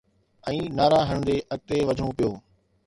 ۽ نعرا هڻندي اڳتي وڌڻو پيو.